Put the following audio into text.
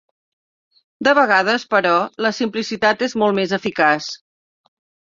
De vegades, però, la simplicitat és molt més eficaç.